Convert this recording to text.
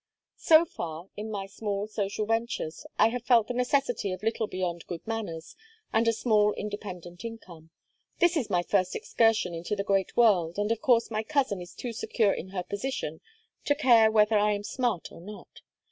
"So far, in my small social ventures I have felt the necessity of little beyond good manners and a small independent income. This is my first excursion into the great world, and of course my cousin is too secure in her position to care whether I am smart or not.